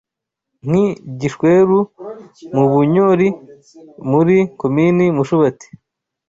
Nk’i Gishweru mu Bunnyori muri Komini Mushubati